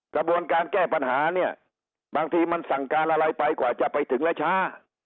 กระบวนการแก้ปัญหาเนี่ยบางทีมันสั่งการอะไรไปกว่าจะไปถึงและช้า